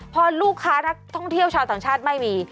พอลูกค้านักท่องเที่ยวชาวต่างชาติไม่มี